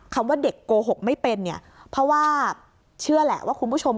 ว่าเด็กโกหกไม่เป็นเนี่ยเพราะว่าเชื่อแหละว่าคุณผู้ชม